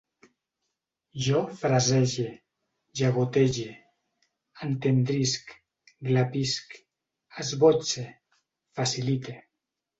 Jo frasege, llagotege, entendrisc, glapisc, esbotze, facilite